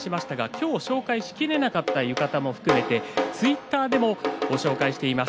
今日ご紹介しきれなかった浴衣も含めてツイッターでご紹介していきます。